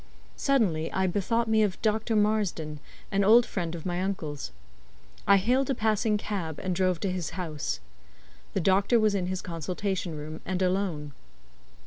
Suddenly I bethought me of Dr. Marsden, an old friend of my uncle's. I hailed a passing cab, and drove to his house. The doctor was in his consultation room, and alone.